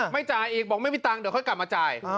ไม่จ่ายอีกบอกไม่มีตังค์เดี๋ยวค่อยกลับมาจ่าย